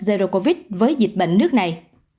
zero covid với dịch bệnh nước này